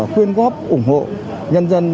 khuyên góp ủng hộ nhân dân